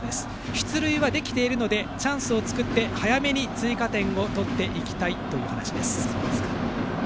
出塁はできているので早めに追加点を取っていきたいという話です。